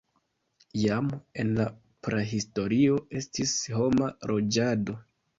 Jam en la prahistorio estis homa loĝado.